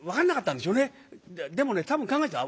でもね多分考えてた。